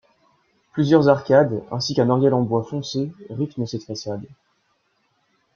Plusieurs arcades ainsi qu'un oriel en bois foncé rythment cette façade.